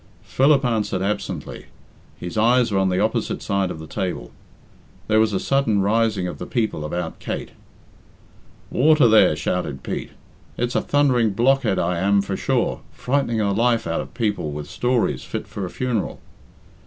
Philip answered absently; his eyes were on the opposite side of the table. There was a sudden rising of the people about Kate. "Water, there," shouted Pete. "It's a thundering blockhead I am for sure frightning the life out of people with stories fit for a funeral."